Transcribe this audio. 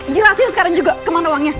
jelasin sekarang juga kemana uangnya